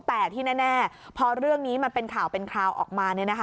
แต่ที่แน่พอเรื่องนี้มันเป็นข่าวเป็นคราวออกมา